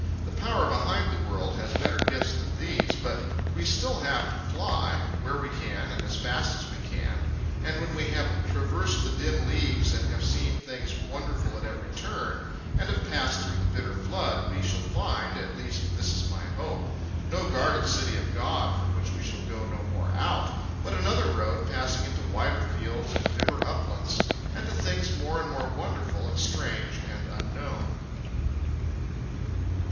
The Power behind the world has better gifts than these; but we still have to fly, where we can and as fast as we can; and when we have traversed the dim leagues, and have seen things wonderful at every turn, and have passed through the bitter flood, we shall find at least this is my hope no guarded city of God from which we shall go no more out, but another road passing into wider fields and dimmer uplands, and to things more and more wonderful and strange and unknown.